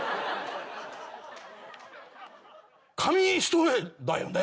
紙一重だよね。